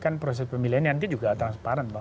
kan proses pemilihan ini nanti juga transparan pak